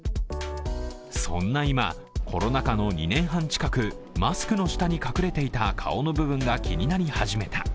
そんな今、コロナ禍の２年半近くマスクの下に隠れていた顔の部分が気になり始めた